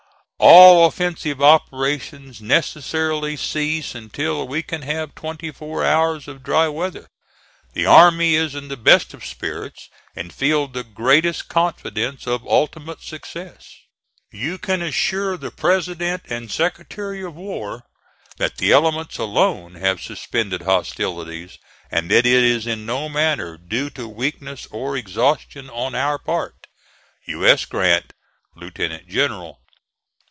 All offensive operations necessarily cease until we can have twenty four hours of dry weather. The army is in the best of spirits, and feel the greatest confidence of ultimate success. You can assure the President and Secretary of War that the elements alone have suspended hostilities, and that it is in no manner due to weakness or exhaustion on our part. U. S. GRANT, Lieut. General.